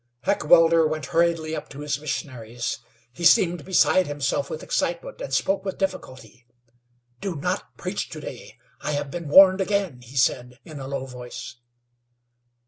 Heckewelder went hurriedly up to his missionaries. He seemed beside himself with excitement, and spoke with difficulty. "Do not preach to day. I have been warned again," he said, in a low voice.